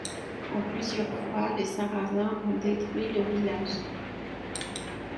En plusieurs fois, les Sarrasins ont détruit le village.